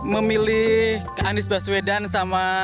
memilih keandis baswedan sama